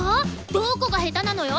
どこが下手なのよ！？